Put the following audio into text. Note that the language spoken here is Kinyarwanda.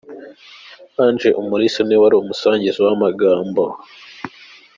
Ange Umulisa niwe wari umusangiza w'amagambo.